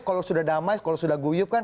kalau sudah damai kalau sudah guyup kan